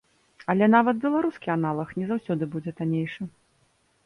Але нават беларускі аналаг не заўсёды будзе таннейшы.